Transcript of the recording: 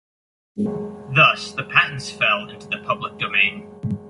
Thus the patents fell into the public domain.